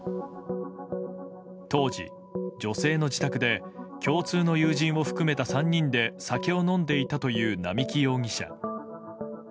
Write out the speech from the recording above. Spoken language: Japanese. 当時、女性の自宅で共通の友人を含めた３人で酒を飲んでいたという並木容疑者。